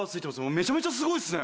めちゃめちゃすごいっすね！